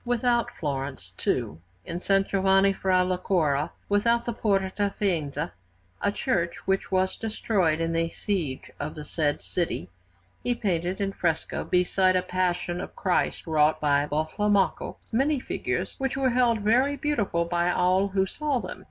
Without Florence, too, in S. Giovanni fra l'Arcora without the Porta a Faenza, a church which was destroyed in the siege of the said city, he painted in fresco, beside a Passion of Christ wrought by Buffalmacco, many figures which were held very beautiful by all who saw them.